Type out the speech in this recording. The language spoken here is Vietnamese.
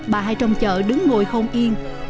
bà hai trong chợ đứng ngồi không yên